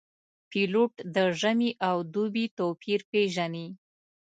پیلوټ د ژمي او دوبي توپیر پېژني.